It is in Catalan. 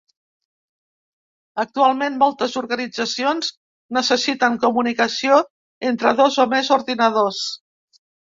Actualment moltes organitzacions necessiten comunicació entre dos o més ordinadors.